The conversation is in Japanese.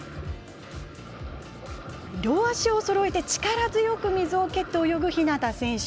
両足をそろえて力強く水を蹴って泳ぐ日向選手。